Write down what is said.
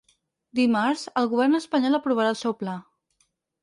Dimarts, el govern espanyol aprovarà el seu pla.